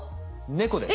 猫です。